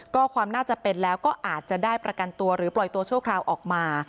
ก็ความน่าจะเป็นแล้วก็อาจจะได้ประกันตัวหรือปล่อยตัวชั่วคราวออกมา